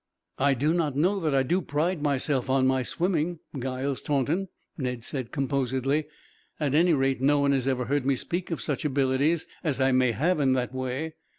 "I do not know that I do pride myself on my swimming, Giles Taunton," Ned said composedly; "at any rate, no one has ever heard me speak of such abilities as I may have in that way.